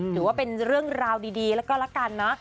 ถือว่าเป็นเรื่องราวดีแล้วก็ละกันนะ